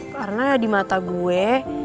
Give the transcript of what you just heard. karena ya di mata gue